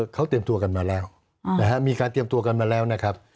เขาเตรียมตัวกันมาแล้วมีการเตรียมตัวกันมาแล้วนะครับ